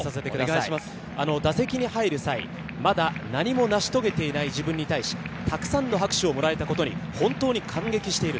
打席に入る際、まだ何も成し遂げていない自分に対し、たくさんの拍手をもらえたことに本当に感激している。